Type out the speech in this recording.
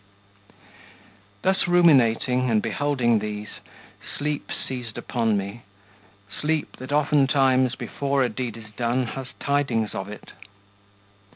Thus ruminating, and beholding these, Sleep seized upon me,—sleep, that oftentimes Before a deed is done has tidings of it.